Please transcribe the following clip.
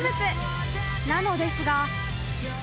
［なのですが］